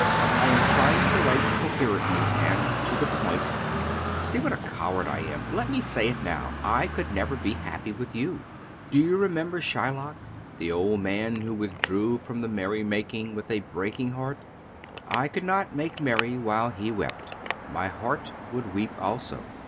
I am trying to write coherently and to the point: see what a coward I am! Let me say it now, I could never be happy with you. Do you remember Shylock, the old man who withdrew from the merry making with a breaking heart? I could not make merry while he wept; my heart would weep also.